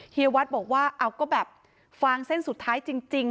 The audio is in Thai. วัดบอกว่าเอาก็แบบฟางเส้นสุดท้ายจริง